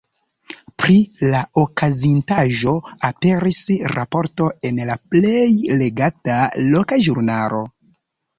Pri la okazintaĵo aperis raporto en la plej legata loka ĵurnalo.